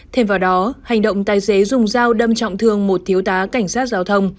thêm vào đó hành động tài xế dùng dao đâm trọng thương một thiếu tá cảnh sát giao thông